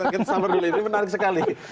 kita sabar dulu ini menarik sekali